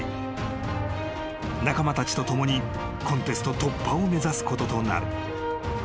［仲間たちと共にコンテスト突破を目指すこととなる］